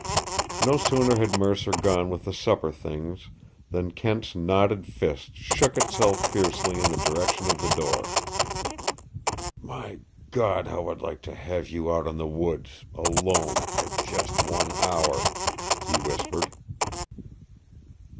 No sooner had Mercer gone with the supper things than Kent's knotted fist shook itself fiercely in the direction of the door. "My God, how I'd like to have you out in the woods alone for just one hour!" he whispered.